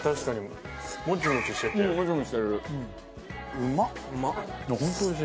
うまっ！